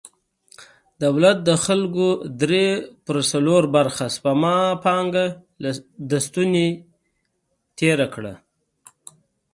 دولت د خلکو درې پر څلور برخه سپما پانګه له ستونې تېره کړه.